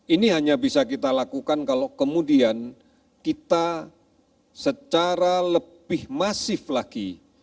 ini hanya bisa kita lakukan kalau kemudian kita secara lebih masif lagi